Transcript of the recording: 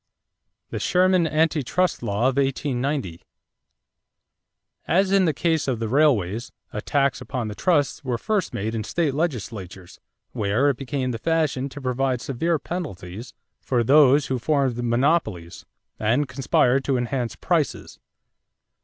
=The Sherman Anti Trust Law of 1890.= As in the case of the railways, attacks upon the trusts were first made in state legislatures, where it became the fashion to provide severe penalties for those who formed monopolies and "conspired to enhance prices."